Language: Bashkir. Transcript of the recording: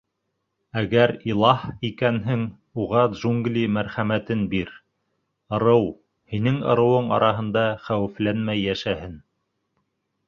Әгәр илаһ икәнһең, уға джунгли мәрхәмәтен бир: ырыу... һинең ырыуың араһында хәүефләнмәй йәшәһен.